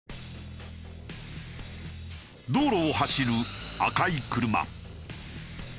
道路を走る赤い車。